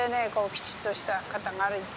きちっとした方が歩いて。